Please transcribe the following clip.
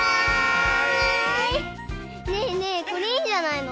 ねえねえこれいいんじゃないの？